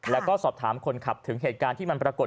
แล้วก็สอบถามคนขับถึงเหตุการณ์ที่มันปรากฏ